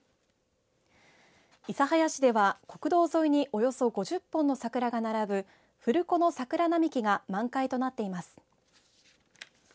諫早市では国道沿いにおよそ５０本の桜が並ぶ古川の桜並木が満開となっています。